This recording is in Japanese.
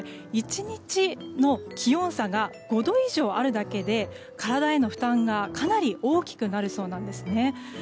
１日の気温差が５度以上あるだけで体への負担がかなり大きくなるそうなんですね。